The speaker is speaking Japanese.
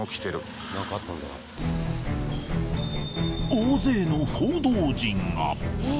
大勢の報道陣が。